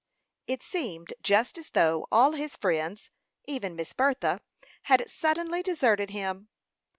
It seemed just as though all his friends, even Miss Bertha, had suddenly deserted him.